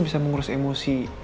bisa mengurus emosi